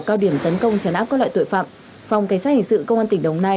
cao điểm tấn công trấn áp các loại tội phạm phòng cảnh sát hình sự công an tỉnh đồng nai